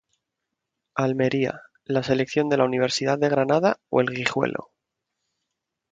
Almería, la selección de la Universidad de Granada o el Guijuelo.